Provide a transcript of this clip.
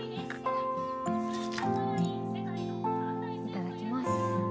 いただきます。